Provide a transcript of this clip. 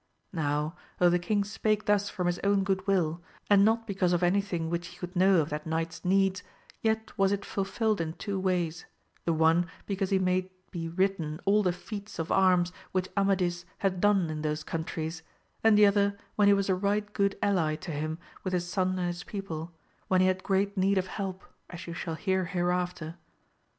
Now, though the king spake thus from his own good will, and not because of any thing which he could know of that knight's needs, yet was it fulfilled in two ways ; the one, because he made be written all the feats of arms which Amadis had done in those countries, and the other when he was a right good ally to him with his son and his people, when he had great need of help, as you shall hear hereafter.